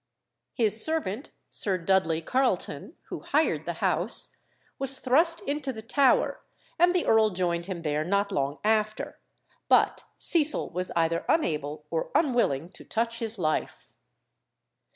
His servant, Sir Dudley Carleton, who hired the house, was thrust into the Tower, and the earl joined him there not long after; but Cecil was either unable or unwilling to touch his life."